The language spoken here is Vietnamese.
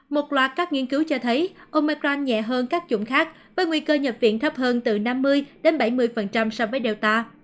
một loạt các nghiên cứu cho thấy omicron nhẹ hơn các dụng khác với nguy cơ nhập viện thấp hơn từ năm mươi bảy mươi so với delta